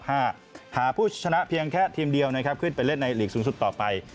ถ้าทีมอันดับ๖ชนะเพียงแค่ทีมเดียวนะครับขึ้นไปเล่นในลีกสูงสุดต่อไป